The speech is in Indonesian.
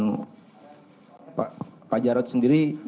dan pak jarod sendiri